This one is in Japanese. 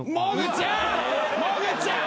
もぐちゃん！